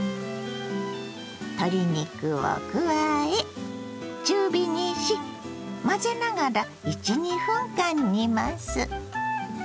鶏肉を加え中火にし混ぜながら１２分間煮ます。